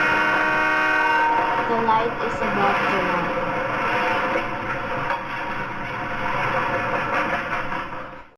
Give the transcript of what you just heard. The light is above the water.